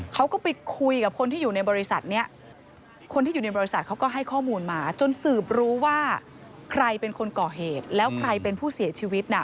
เขาก็ไปคุยกับคนที่อยู่ในบริษัทนี้คนที่อยู่ในบริษัทเขาก็ให้ข้อมูลมาจนสืบรู้ว่าใครเป็นคนก่อเหตุแล้วใครเป็นผู้เสียชีวิตน่ะ